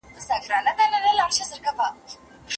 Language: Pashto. که هرزه بوټي له منځه یونه سې نو د اصلي فصل وده درېږي.